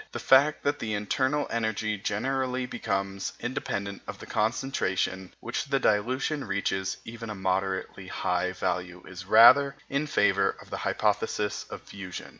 The fact that the internal energy generally becomes independent of the concentration when the dilution reaches even a moderately high value is rather in favour of the hypothesis of fusion.